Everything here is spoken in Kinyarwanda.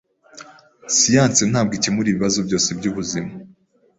Siyanse ntabwo ikemura ibibazo byose byubuzima.